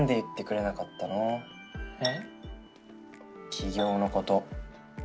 起業のこと。